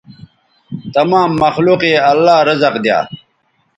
تمام مخلوق یے اللہ رزق دیا